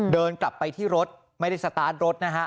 เดินกลับไปที่รถไม่ได้สตาร์ทรถนะฮะ